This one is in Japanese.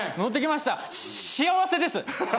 し幸せです。